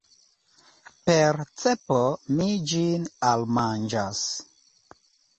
Per cepo mi ĝin almanĝas.